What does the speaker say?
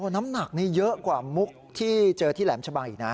น้ำหนักนี่เยอะกว่ามุกที่เจอที่แหลมชะบังอีกนะ